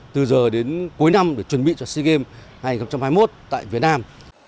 từ giờ đến cuối năm để chuẩn bị cho sea games hai nghìn hai mươi một tại việt nam